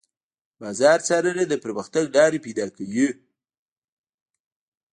د بازار څارنه د پرمختګ لارې پيدا کوي.